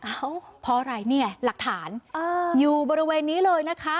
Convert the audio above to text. เพราะอะไรเนี่ยหลักฐานอยู่บริเวณนี้เลยนะคะ